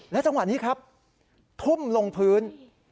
จังหวะนี้ครับทุ่มลงพื้น